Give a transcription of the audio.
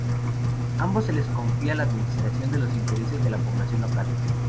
A ambos se les confía la administración de los intereses de la población local.